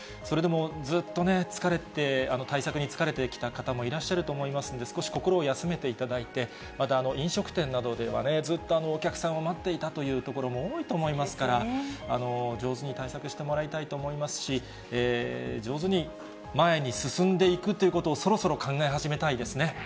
それでも、ずっとね、対策に疲れてきた方もいらっしゃると思いますんで、少し心を休めていただいて、また、飲食店などではね、ずっとお客さんを待っていたというところも、多いと思いますから、上手に対策してもらいたいと思いますし、上手に、前に進んでいくということを、そろそろ考え始めたいですね。